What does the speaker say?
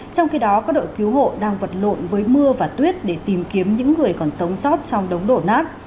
trong khi đó các đội cứu hộ đang vật lộn với mưa và tuyết để tìm kiếm những người còn sống sót trong đống đổ nát